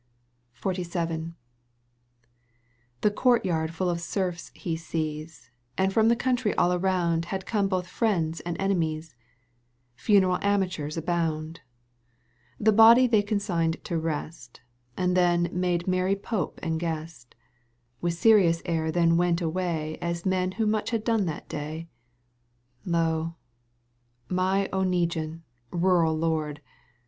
XLVII. The courtyard fall of serfs he sees, And from the country all aroxmd Had come both friends and enemies — Funeral amateurs abound ! The body they consigned to rest, And then made merry pope and guest, With serious air then went away Ай men who much had done that day. Lo ! my Oneguine rural lord